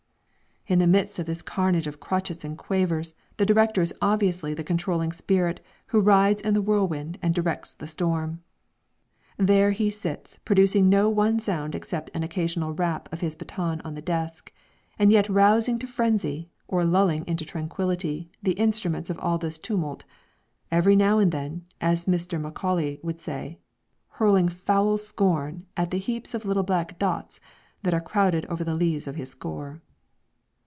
In the midst of this carnage of crotchets and quavers, the director is obviously the controlling spirit who "rides in the whirlwind and directs the storm." There he sits producing no one sound except an occasional rap of his baton on the desk, and yet rousing to frenzy or lulling into tranquillity the instruments of all this tumult, every now and then, as Mr. Macaulay would say, "hurling foul scorn" at the heaps of little black dots that are crowded over the leaves of his score.